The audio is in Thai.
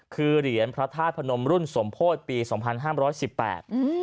คือเหรียญพระธาตุพนมรุ่นสมโพธิปีสองพันห้ามร้อยสิบแปดอืม